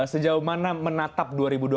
sejauh mana menatap